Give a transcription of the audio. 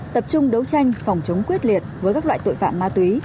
tập trung đấu tranh phòng chống quyết liệt với các loại tội phạm ma túy